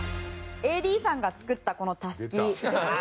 ＡＤさんが作ったこのタスキ。